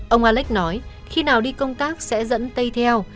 ông alex nói khi nào đi công tác sẽ dẫn tay theo